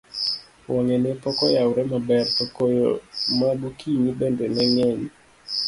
wang'e ne pok oyawre maber, to koyo ma gokinyi bende ne ng'eny